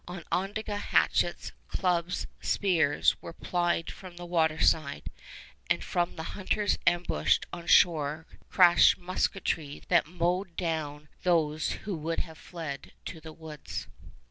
Onondaga hatchets, clubs, spears, were plied from the water side, and from the hunters ambushed on shore crashed musketry that mowed down those who would have fled to the woods.